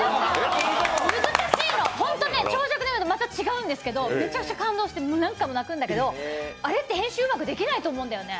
難しいの、長尺で見るとまた違うんですけど、めちゃくちゃ感動して何回も泣くんだけど、あれって編集、うまくできないと思うんだよね。